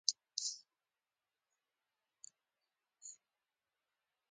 څو زره کلونه کېدای شي ټوله نوعه له منځه لاړه شي.